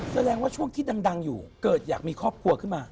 แสดงว่าช่วงที่ดังอยู่เกิดอยากมีครอบครัวขึ้นมา